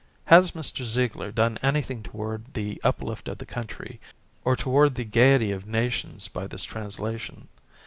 Has Mr. Zieg ler done anything toward the uplift of the country, or toward the gaiety of nations by this translation?